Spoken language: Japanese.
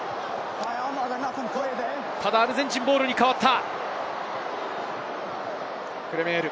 ただアルゼンチンボールに変わった。